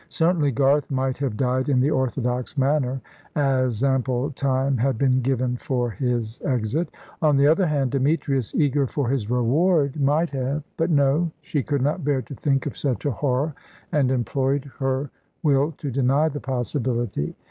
Certainly, Garth might have died in the orthodox manner, as ample time had been given for his exit. On the other hand, Demetrius, eager for his reward, might have but no; she could not bear to think of such a horror, and employed her will to deny the possibility.